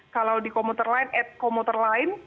kalau di komuter lain at komuter lain